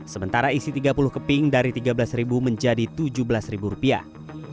sementara isi tiga puluh keping dari tiga belas menjadi tujuh belas rupiah